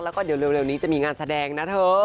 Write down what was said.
แล้วก็เร็วนี้จะมีงานแสดงนะเธอ